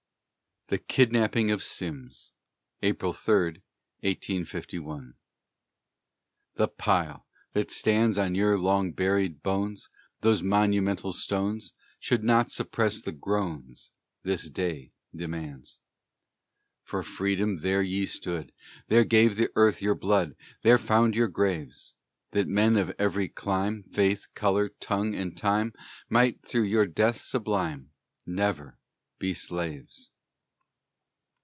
THE KIDNAPPING OF SIMS [April 3, 1851] Souls of the patriot dead On Bunker's height who bled! The pile, that stands On your long buried bones Those monumental stones Should not suppress the groans This day demands. For Freedom there ye stood; There gave the earth your blood; There found your graves; That men of every clime, Faith, color, tongue, and time, Might, through your death sublime, Never be slaves.